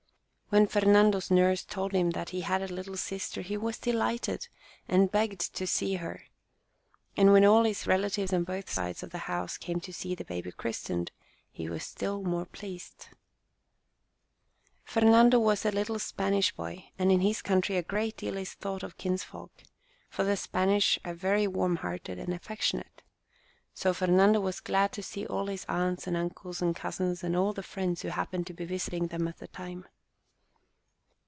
When Fernando's nurse told him that he had a little sister he was delighted, and begged to see her; and when all his relatives on both sides of the house came to see the baby christened, he was still more pleased. 2 Our Little Spanish Cousin Fernando was a little Spanish boy, and in his country a great deal is thought of kinsfolk, for the Spanish are very warm hearted and affectionate. So Fernando was glad to see all his aunts and uncles and cousins and all the friends who happened to be visiting them at the time.